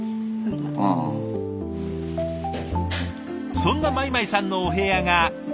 そんな米舞さんのお部屋がこちら。